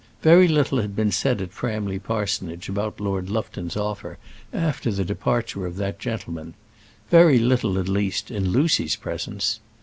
Very little had been said at Framley Parsonage about Lord Lufton's offer after the departure of that gentleman; very little, at least, in Lucy's presence.